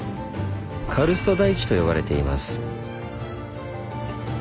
「カルスト台地」と呼ばれています。